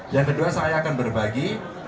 yang kedua saya akan berbagi